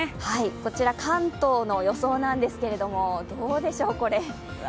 こちら、関東の予想なんですけれどもどうでしょう、これ。